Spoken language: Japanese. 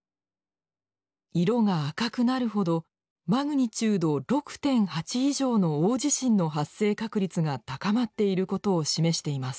色が赤くなるほどマグニチュード６．８以上の大地震の発生確率が高まっていることを示しています。